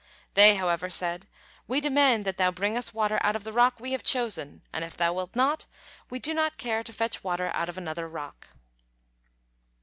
They, however, said: "We demand that thou bring us water out of the rock we have chosen, and if thou wilt not, we do not care to fetch water out of another rock."